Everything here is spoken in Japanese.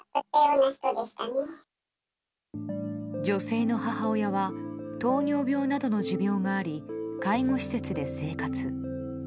女性の母親は糖尿病などの持病があり介護施設で生活。